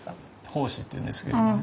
胞子っていうんですけどね